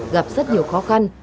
gặp rất nhiều khó khăn